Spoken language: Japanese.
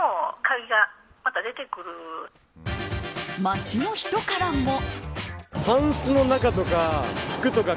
街の人からも。